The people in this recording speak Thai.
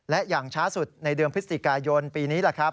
และอย่างช้าสุดในเดือนพฤศจิกายนปีนี้แหละครับ